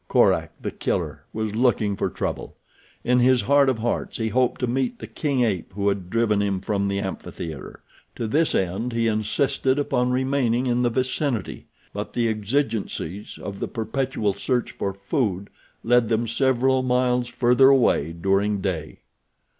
Korak, the killer, was looking for trouble. In his heart of hearts he hoped to meet the king ape who had driven him from the amphitheater. To this end he insisted upon remaining in the vicinity; but the exigencies of the perpetual search for food led them several miles further away during day.